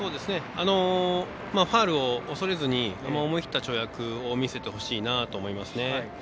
ファウルを恐れずに思い切った跳躍を見せてほしいなと思いますね。